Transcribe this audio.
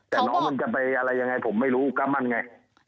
แต่น้องมันจะไปอะไรยังไงผมไม่รู้ก็นั่นไง